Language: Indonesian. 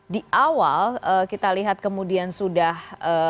di awal kita lihat kemudian sudah